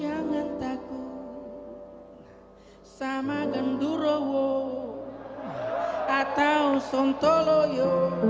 jangan takut sama gendurowo atau sontoloyo